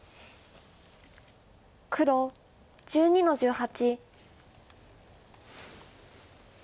黒１２の十八。